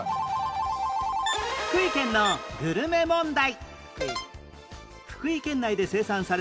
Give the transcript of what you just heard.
福井県のグルメ問題